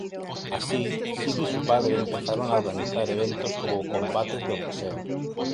Así, Sid y su padre empezaron a organizar eventos como combates de boxeo.